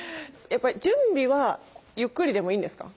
準備はゆっくりでもいいんですか？